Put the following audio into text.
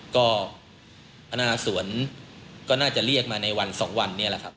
ภนาสวนก็น่าจะเรียกมาในวัน๒วัน